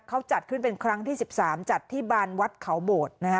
เขาจัดขึ้นเป็นครั้งที่๑๓จัดที่บานวัดเขาโบดนะฮะ